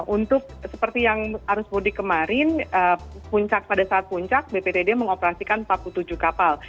untuk seperti yang arus mudik kemarin puncak pada saat puncak bptd mengoperasikan empat puluh tujuh kapal